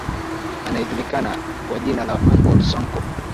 anayejulikana kwa jina la uncle sanko